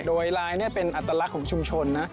โดยลายนี้เป็นอัตลักษณ์ของชุมชนนะ